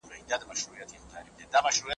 سومالیا او لیبیا اور ته نږدې شول.